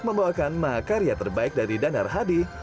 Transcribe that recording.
membawakan mahakarya terbaik dari danar hadi